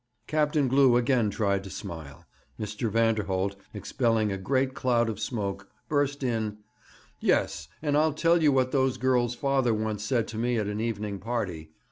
"' Captain Glew again tried to smile. Mr. Vanderholt, expelling a great cloud of smoke, burst in: 'Yes; and I'll tell you what those girls' father once said to me at an evening party.